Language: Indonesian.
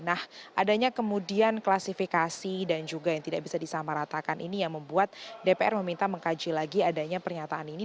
nah adanya kemudian klasifikasi dan juga yang tidak bisa disamaratakan ini yang membuat dpr meminta mengkaji lagi adanya pernyataan ini